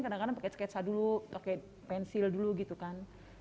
kadang kadang pakai sketsa dulu pakai pensil dulu gitu kan